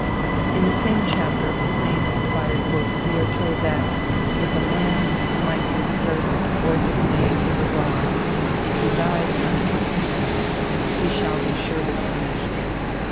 In the same chapter of the same inspired book, we are told that, "if a man smite his servant, or his maid, with a rod, and he dies under his hand, he shall be surely punished.